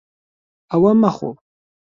ئەوە مەخۆ.